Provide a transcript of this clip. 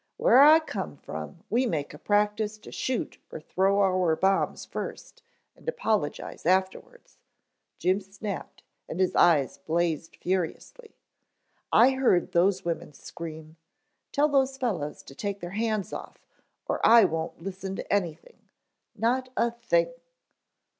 Where I come from we make a practice to shoot or throw our bombs first and apologize afterwards," Jim snapped, and his eyes blazed furiously. "I heard those women scream. Tell those fellows to take their hands off, or I won't listen to anything not a thing!"